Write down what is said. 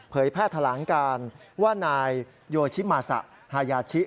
เผยแพร่ทะล้างการว่านายโยชิมาสะฮายาชิ